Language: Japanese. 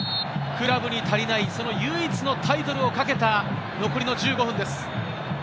クラブに足りない唯一のタイトルを懸けた残りの１５分です。